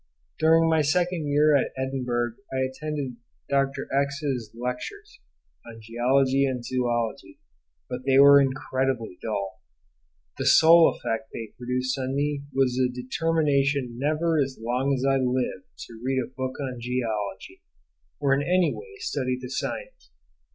During my second year at Edinburgh I attended ——'s lectures on Geology and Zoology, but they were incredibly dull. The sole effect they produced on me was the determination never as long as I lived to read a book on Geology, or in any way to study the science.